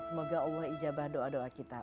semoga allah ijabah doa doa kita